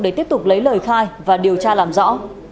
để tiếp tục lấy lời khai và điều tra làm rõ